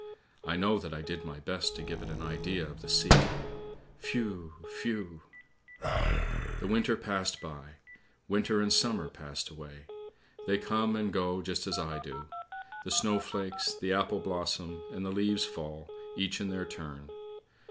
I know that I did my best to give it an idea of the sea. Whew! whew! "' The winter passed by; winter and summer passed away! They come and go just as I do. The snowflakes, the apple blossom, and the leaves fall, each in their turn.